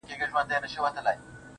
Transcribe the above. o ما د وحشت په زمانه کي زندگې کړې ده.